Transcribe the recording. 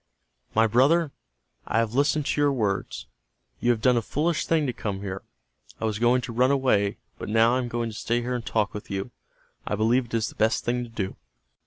"My brother, I have listened to your words. You have done a foolish thing to come here. I was going to run away, but now I am going to stay here and talk with you. I believe it is the best thing to do."